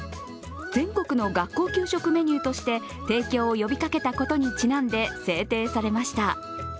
全国の学校給食メニューとして提供を呼びかけたことにちなんで制定されました。